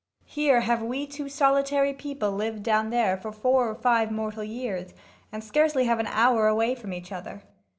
Here have we two solitary people lived down there for four or five mortal years, and scarcely have an hour away from each other.